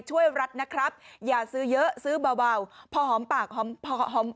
รัฐนะครับอย่าซื้อเยอะซื้อเบาพอหอมปากหอมพอหอม